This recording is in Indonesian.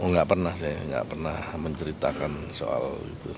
oh nggak pernah saya nggak pernah menceritakan soal itu